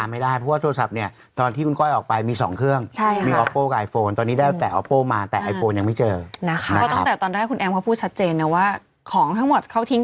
หลักสุดก็ยังเหลือกระเป๋าอีกหนึ่งใบ